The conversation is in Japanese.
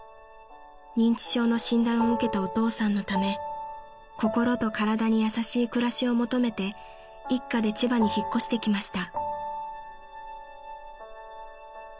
［認知症の診断を受けたお父さんのため心と体に優しい暮らしを求めて一家で千葉に引っ越してきました］